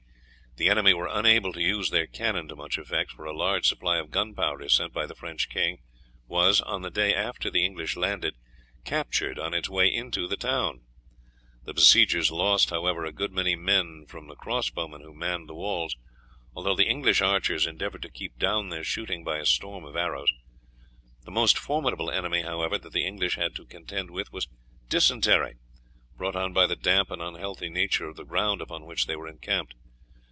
The enemy were unable to use their cannon to much effect, for a large supply of gunpowder sent by the French king was, on the day after the English landed, captured on its way into the town. The besiegers lost, however, a good many men from the crossbowmen who manned the walls, although the English archers endeavoured to keep down their shooting by a storm of arrows. The most formidable enemy, however, that the English had to contend with was dysentery, brought on by the damp and unhealthy nature of the ground upon which they were encamped.